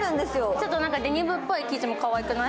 ちょっとデニムっぽい生地もかわいくない？